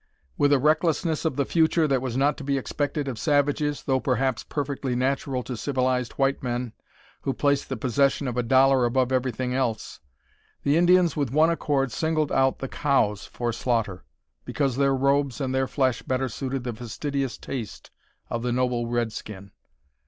With a recklessness of the future that was not to be expected of savages, though perhaps perfectly natural to civilized white men, who place the possession of a dollar above everything else, the Indians with one accord singled out the cows for slaughter, because their robes and their flesh better suited the fastidious taste of the noble redskin.